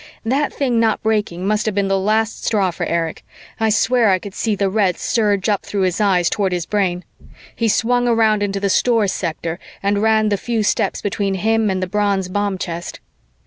That thing not breaking must have been the last straw for Erich. I swear I could see the red surge up through his eyes toward his brain. He swung around into the Stores sector and ran the few steps between him and the bronze bomb chest.